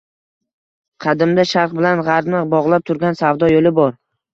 Qadimda sharq bilan gʻarbni boʻgʻlab turgan savdo yoʻli bor.